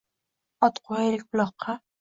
Ot qo‘yaylik buloqqa.